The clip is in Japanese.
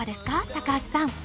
高橋さん。